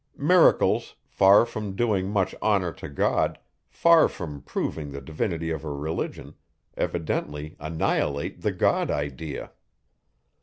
Miracles, far from doing much honour to God, far from proving the divinity of a religion, evidently annihilate the God idea.